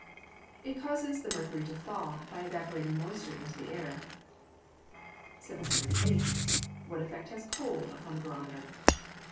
_ It causes the mercury to fall, by evaporating moisture into the air. 708. _What effect has cold upon the barometer?